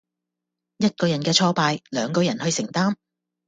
一個人嘅挫敗，兩個人去承擔